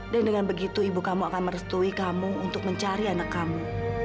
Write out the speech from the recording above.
dengan begitu ibu kamu akan merestui kamu untuk mencari anak kamu